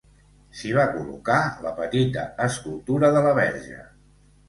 S'hi va col·locar la petita escultura de la Verge.